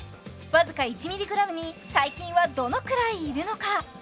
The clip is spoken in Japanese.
わずか１ｍｇに細菌はどのくらいいるのか？